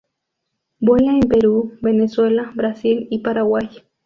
Vuela en Perú, Venezuela, Brasil y Paraguay.